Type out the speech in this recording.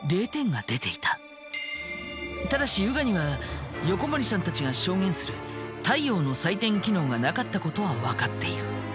ただしＵＧＡには横森さんたちが証言する太陽の採点機能がなかったことはわかっている。